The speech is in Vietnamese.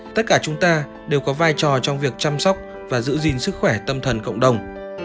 tất cả chúng ta đều có vai trò trong việc chăm sóc và giữ gìn sức khỏe tâm thần cộng đồng